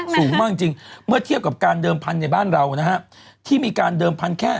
สูงมากจริงเมื่อเทียบกับการเดิมพันธุ์ในบ้านเรานะฮะที่มีการเดิมพันธุ์แค่